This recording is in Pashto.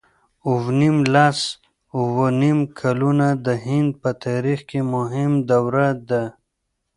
اووه نېم لس اووه نېم کلونه د هند په تاریخ کې مهمه دوره ده.